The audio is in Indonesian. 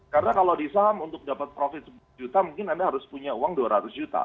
karena kalau di saham untuk dapat profit sepuluh juta mungkin anda harus punya uang dua ratus juta